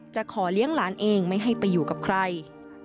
ขอเลี้ยงหลานเองไม่ให้ไปอยู่กับใคร